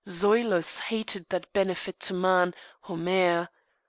Zoilus hated that benefit to man, Homer.